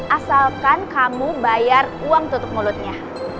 asalkan kamu bayar uang tutup mulutnya